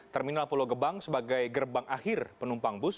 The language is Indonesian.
terminal pulau gebang sebagai gerbang akhir penumpang bus